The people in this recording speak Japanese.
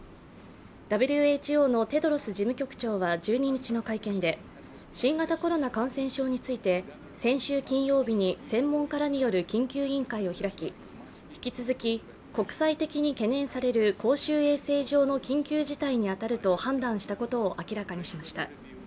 ＷＨＯのテドロス事務局長は１２日の会見で新型コロナ感染症について先週金曜日に専門家らによる緊急委員会を開き、引き続き、国際的に懸念される公衆衛生上の緊急事態に当たると判断したことを明らかにしました。